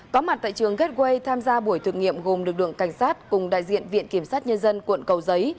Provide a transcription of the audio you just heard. có mặt tại trường gateway tham gia buổi thực nghiệm gồm lực lượng cảnh sát cùng đại diện viện kiểm sát nhân dân quận cầu giấy